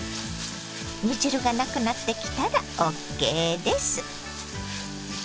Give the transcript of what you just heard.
煮汁がなくなってきたらＯＫです。